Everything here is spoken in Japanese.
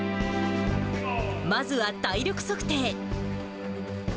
まずは体力測定。